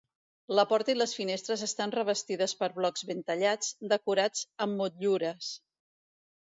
La porta i les finestres estan revestides per blocs ben tallats decorats amb motllures.